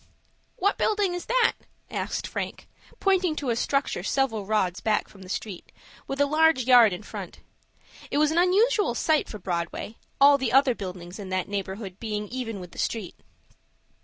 "What building is that?" asked Frank, pointing to a structure several rods back from the street, with a large yard in front. It was an unusual sight for Broadway, all the other buildings in that neighborhood being even with the street.